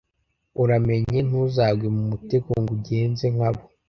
uramenye ntuzagwe mu mutego ngo ugenze nka bo